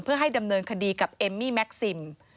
เพื่อให้ดำเนินคดีกับเอมมี่แม็กซิม